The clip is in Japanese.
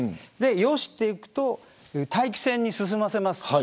よしっていくと待機線に進ませます。